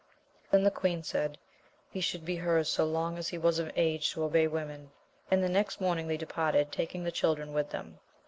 Then the queen said, he should be her's so long as he was of an age to obey women ; and the next morning they departed, taking the children with them.